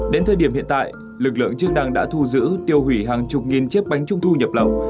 đến thời điểm hiện tại lực lượng chương đăng đã thu giữ tiêu hủy hàng chục nghìn chiếc bánh trung thu nhập lộng